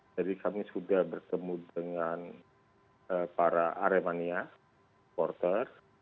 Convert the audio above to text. jadi kami sudah bertemu dengan para aremania reporter